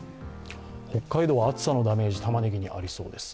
北海道、暑さのダメージ、たまねぎにあります。